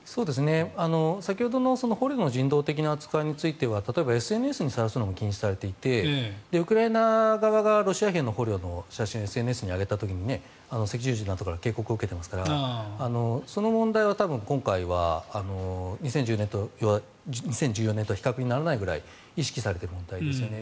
先ほどの捕虜の人道的な扱いについては例えばＳＮＳにさらすのも禁止されていてウクライナ側がロシア兵の捕虜の写真をＳＮＳに上げた時に赤十字などから警告を受けていますからその問題は、多分今回は２０１４年と比較にならないぐらい意識されている問題ですね。